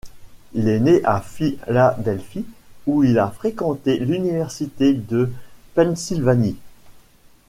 Il est né à Philadelphie, où il a fréquenté l'université de Pennsylvanie.